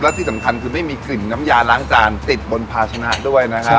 และที่สำคัญคือไม่มีกลิ่นน้ำยาล้างจานติดบนภาชนะด้วยนะครับ